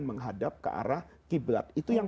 menghadap ke arah qiblat itu yang